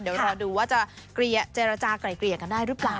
เดี๋ยวรอดูว่าจะเจรจากลายเกลี่ยกันได้หรือเปล่า